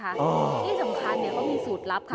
ที่สำคัญเนี่ยเขามีสูตรลับครับ